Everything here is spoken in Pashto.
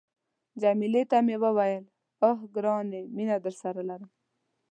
جميله ته مې وویل، اوه، ګرانې مینه درسره لرم.